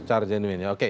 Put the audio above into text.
secara jenuin ya oke